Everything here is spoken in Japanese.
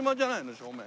正面。